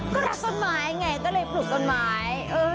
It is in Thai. ก็รักต้นไม้ไงก็เลยปลูกต้นไม้